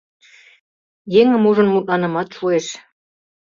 Еҥым ужын мутланымат шуэш.